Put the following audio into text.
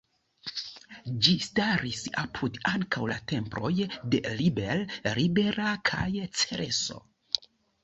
Ĝi staris apud ankaŭ la temploj de Liber, Libera kaj Cereso.